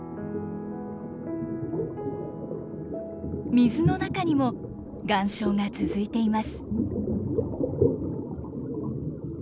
水の中にも岩礁が続いています。